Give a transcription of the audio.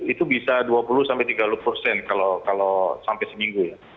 itu bisa dua puluh sampai tiga puluh persen kalau sampai seminggu ya